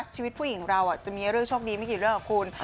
ชีวิตผู้หญิงเราจะมีเรื่องโชคดีไม่กี่เรื่องคุณ